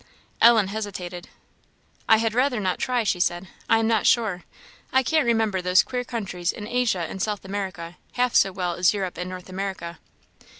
Ellen hesitated. "I had rather not try," she said "I am not sure. I can't remember those queer countries in Asia and South America, half so well as Europe and North America."